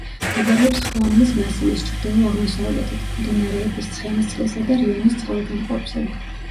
მდებარეობს ხვამლის მასივის ჩრდილო-აღმოსავლეთით, მდინარეების ცხენისწყლისა და რიონის წყალგამყოფზე.